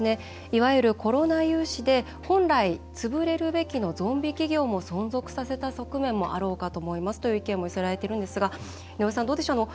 いわゆるコロナ融資で本来潰れるべきのゾンビ企業も存続させた側面もあろうかと思いますと寄せられているんですが井上さん、どうでしょうか。